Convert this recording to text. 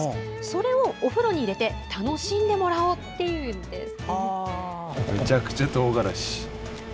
それをお風呂に入れて楽しんでもらおうというのです。